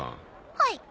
はい。